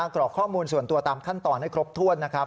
กรอกข้อมูลส่วนตัวตามขั้นตอนให้ครบถ้วนนะครับ